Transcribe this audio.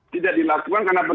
tidak dilakukan tidak bisa masuk